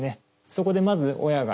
そこでまず親がですね